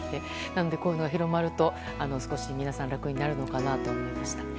なので、こういうのが広まると皆さん、少し楽になるのかなと思いました。